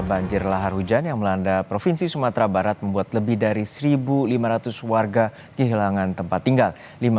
banjir lahar hujan yang melanda provinsi sumatera barat membuat lebih dari satu lima ratus warga kehilangan tempat tinggal